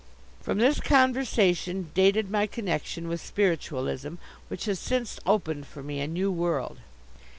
From this conversation dated my connection with Spiritualism, which has since opened for me a new world.